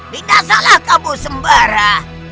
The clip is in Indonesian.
bidasalah kamu sembara